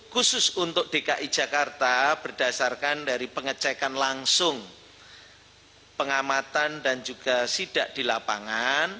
khusus untuk dki jakarta berdasarkan dari pengecekan langsung pengamatan dan juga sidak di lapangan